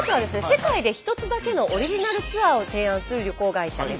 世界でひとつだけのオリジナルツアーを提案する旅行会社です。